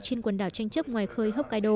trên quần đảo tranh chấp ngoài khơi hokkaido